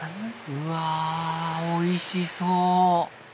うわおいしそう！